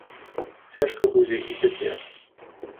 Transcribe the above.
Цяжка будзе і цяпер.